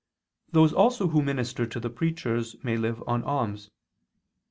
Those also who minister to the preachers may live on alms.